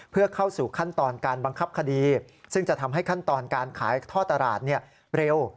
เพื่อเข้าสู่ขั้นตอนการบังคับคดีซึ่งจะทำให้ขั้นตอนการขายท่อตลาดเร็ว